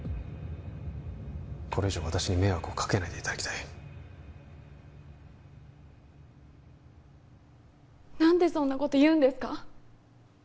これ以上私に迷惑をかけないでいただきたい何でそんなこと言うんですか？